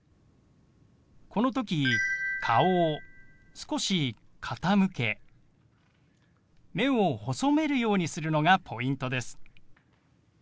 この時顔を少し傾け目を細めるようにするのがポイントです。